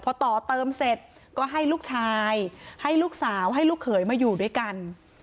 พอต่อเติมเสร็จก็ให้ลูกชายให้ลูกสาวให้ลูกเขยมาอยู่ด้วยกัน